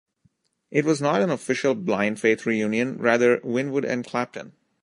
It was not an official Blind Faith reunion; rather "Winwood and Clapton".